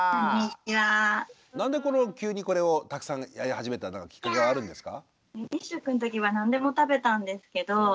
何で急にこれをたくさんやり始めたのはきっかけはあるんですか？